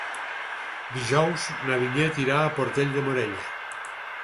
Dijous na Vinyet irà a Portell de Morella.